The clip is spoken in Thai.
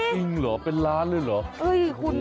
จริงเหรอเป็นล้านเลยเหรอ